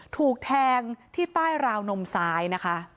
ถูกแทงที่ใต้ราวนมซ้ายนะคะ